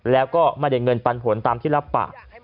แล้วก็มาเด็นเงินปันผลตามที่รับปะ